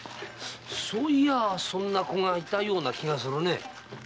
そういやそんな子がいたような気がするね。